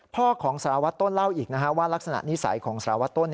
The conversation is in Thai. พ่อของสละวัดต้นเล่าอีกนะครับว่าลักษณะนิสัยของสละวัดต้น